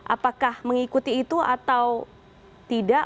apakah mengikuti itu atau tidak